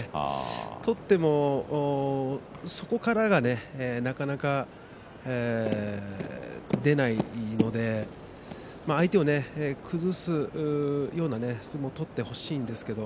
取ってもそこからがなかなか出ないので相手を崩すような相撲を取ってほしいですね。